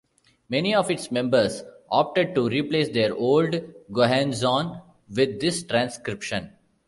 Many of its members opted to replace their old Gohonzon with this transcription.